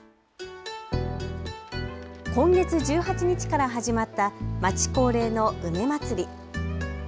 今月１８日から始まった町恒例の梅まつり。